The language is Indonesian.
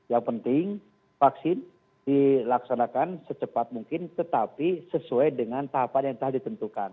yang penting vaksin dilaksanakan secepat mungkin tetapi sesuai dengan tahapan yang telah ditentukan